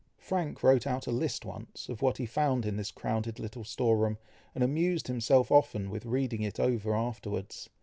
Frank wrote out a list once of what he found in this crowded little store room, and amused himself often with reading it over afterwards.